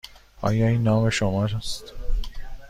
آیا این نام شما است؟